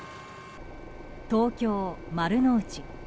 東京・丸の内。